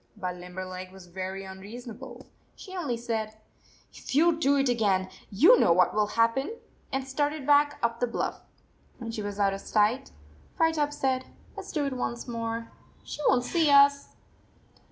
But Limberleg was very unreasonable. She only said, <( If you do it again, you know what will happen," and started back up the bluff. When she was out of sight, Firetop said: " Let s do it once more. She won t see us